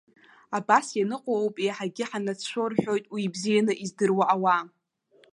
Абас ианыҟоу ауп еиҳагьы ҳанацәшәо рҳәоит уи бзианы издыруа ауаа.